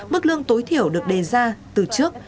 mức lương tối thiểu được đề ra từ trước